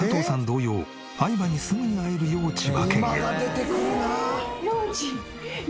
同様愛馬にすぐに会えるよう千葉県へ。